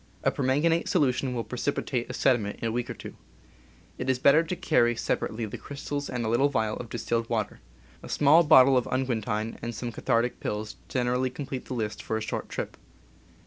A permanganate solution will precipitate a sediment in a week or two. It is better to carry sep arately the crystals and a little vial of distilled water. A small bottle of unguentine and some cathartic pills generally complete the list for a short trip.